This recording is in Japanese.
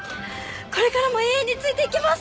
これからも永遠についていきます！